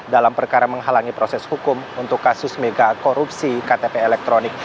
dalam perkara menghalangi proses hukum untuk kasus mega korupsi ktp elektronik